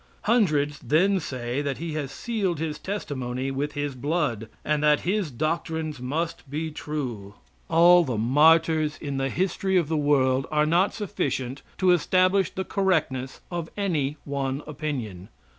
Hundreds then say that he has sealed his testimony with his blood, and that his doctrines must be true. All the martyrs in the history of the world are not sufficient to establish the correctness of any one opinion.